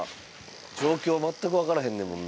状況全く分からへんねんもんな。